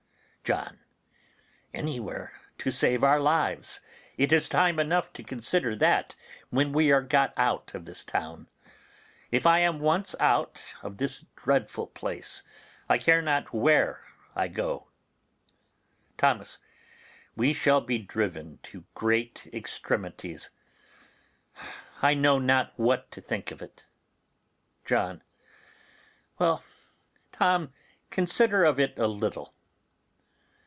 John. Anywhere, to save our lives; it is time enough to consider that when we are got out of this town. If I am once out of this dreadful place, I care not where I go. Thomas. We shall be driven to great extremities. I know not what to think of it. John. Well, Tom, consider of it a little.